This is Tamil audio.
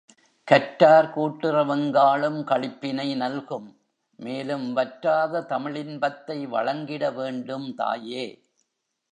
கற்றார்கூட் டுறவெங்காளும் களிப்பினை நல்கும் மேலும் வற்றாத தமிழின்பத்தை வழங்கிட வேண்டும் தாயே!